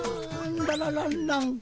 ララランラン。